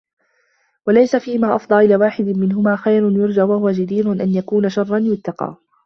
وَلَيْسَ فِيمَا أَفْضَى إلَى وَاحِدٍ مِنْهُمَا خَيْرٌ يُرْجَى وَهُوَ جَدِيرٌ أَنْ يَكُونَ شَرًّا يُتَّقَى